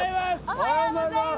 おはようございます！